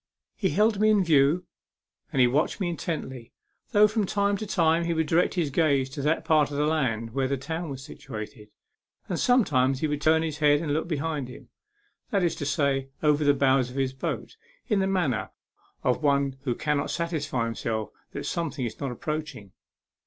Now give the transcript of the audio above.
He held me in view, and he watched me intently, though from time to time he would direct his gaze to that part of the land where the town was situated, and sometimes he would turn his head and look behind him that is to say, over the bows of his boat, in the manner of one who cannot satisfy himself that something is not approaching.